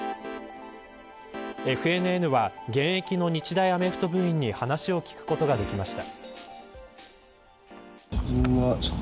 ＦＮＮは現役の日大アメフト部員に話を聞くことができました。